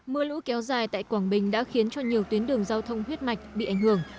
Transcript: mưa lũ kéo dài tại quảng bình đã khiến cho nhiều tuyến đường giao thông huyết mạch bị ảnh hưởng